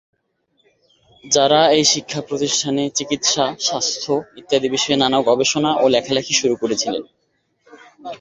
যারা এই শিক্ষা প্রতিষ্ঠানে চিকিৎসা, স্বাস্থ্য ইত্যাদি বিষয়ে নানা গবেষণা ও লেখালেখি শুরু করেছিলেন।